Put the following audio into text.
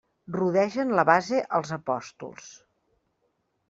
Rodegen la base els apòstols.